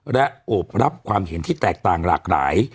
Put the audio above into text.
และโอบรับความเห็นที่แตกต่างหลากหลาย